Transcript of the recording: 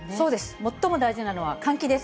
最も大事なのは換気です。